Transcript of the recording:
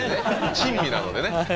珍味なのでね。